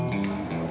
sudah pesen minum